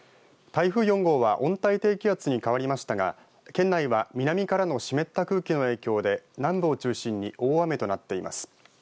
台風４号は温帯低気圧に変わりましたが県内は南からの湿った空気の影響で南部を中心に大雨となっています。